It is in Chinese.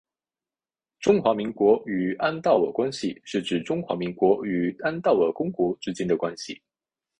中华民国与安道尔关系是指中华民国与安道尔公国之间的关系。